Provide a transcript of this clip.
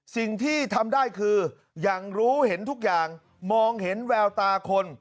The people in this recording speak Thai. สิ่งที่ทำได้คืออย่างรู้เห็นทุกอย่างมองเห็นแววตาคน